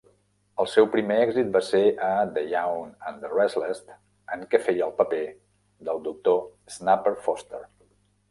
El seu primer èxit va ser a "The Young and The Restless", en què feia el paper del Doctor Snapper Foster.